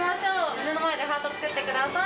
目の前でハート作ってください。